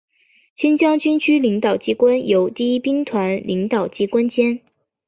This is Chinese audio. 新疆军区领导机关由第一兵团领导机关兼。